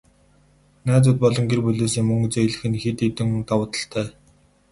Найзууд болон гэр бүлээсээ мөнгө зээлэх нь хэд хэдэн давуу талуудтай.